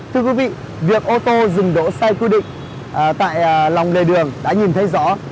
thưa quý vị việc ô tô dừng đỗ sai quy định tại lòng lề đường đã nhìn thấy rõ